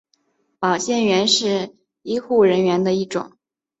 保健员是医护人员的一种。